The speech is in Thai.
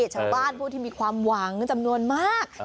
ชาวบ้านผู้ที่มีความหวังจำนวนมาก